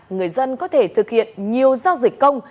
người dân có thể thực hiện nhiều giao dịch công